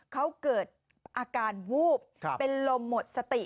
เขาเกิดอาการวูบเป็นลมหมดสติ